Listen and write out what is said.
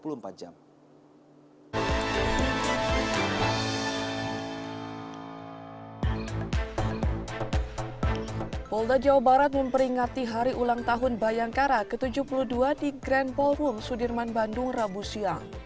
polda jawa barat memperingati hari ulang tahun bayangkara ke tujuh puluh dua di grand ballroom sudirman bandung rabu siang